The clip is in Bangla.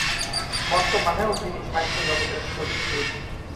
বর্তমানেও তিনি সাহিত্য জগতের সহিত জড়িত।